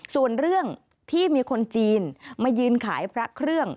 ส่วนเรื่องที่มีคนจีนมายืนขายพระเครื่อง